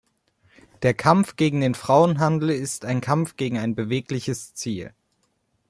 Der Kampf gegen den Frauenhandel ist ein Kampf gegen ein bewegliches Ziel.